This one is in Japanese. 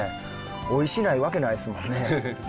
おいしないわけないですもんね。